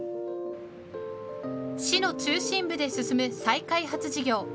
市の中心部で進む再開発事業。